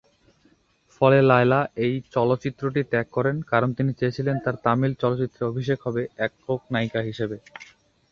ফলে লায়লা এই চলচ্চিত্রটি ত্যাগ করেন, কারণ তিনি চেয়েছিলেন তার তামিল চলচ্চিত্রে অভিষেক হবে একক নায়িকা হিসেবে।